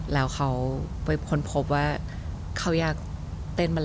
แล้วเขาไปค้นพบว่าเขาอยากเต้นมาแล้ว